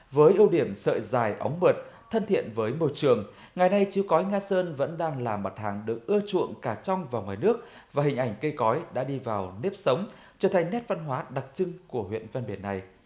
với ưu điểm sợi dài ống bượt thân thiện với môi trường ngày nay chứa cói nga sơn vẫn đang là mặt hàng được ưa chuộng cả trong và ngoài nước và hình ảnh cây cói đã đi vào nếp sống trở thành nét văn hóa đặc trưng của huyện văn biển này